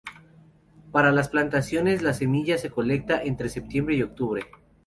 Para las plantaciones, la semilla se colecta entre septiembre y octubre.